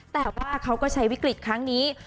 แต่ว่าเขาก็ใช้วิกฤตครั้งนี้